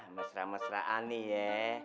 mesra mesra ani ya